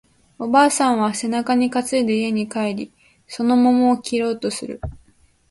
おばあさんは背中に担いで家に帰り、その桃を切ろうとする